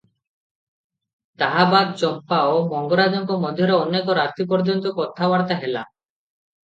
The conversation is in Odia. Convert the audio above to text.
ତାହାବାଦ୍ ଚମ୍ପା ଓ ମଙ୍ଗରାଜଙ୍କ ମଧ୍ୟରେ ଅନେକ ରାତି ପର୍ଯ୍ୟନ୍ତ କଥାବାର୍ତ୍ତା ହେଲା ।